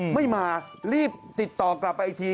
ไม่มารีบติดต่อกลับไปอีกที